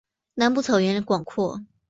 南部草原广阔。